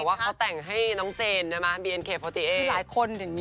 แต่ว่าเขาแต่งให้น้องเจนนะครับ